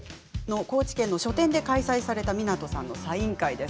高知県の書店で開催された湊さんのサイン会です。